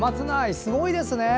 すごいですね。